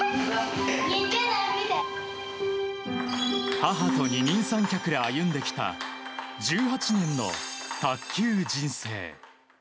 母と二人三脚で歩んできた１８年の卓球人生。